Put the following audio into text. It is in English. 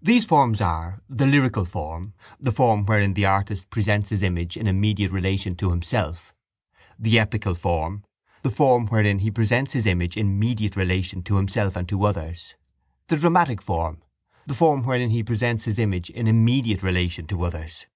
These forms are: the lyrical form, the form wherein the artist presents his image in immediate relation to himself; the epical form, the form wherein he presents his image in mediate relation to himself and to others; the dramatic form, the form wherein he presents his image in immediate relation to others.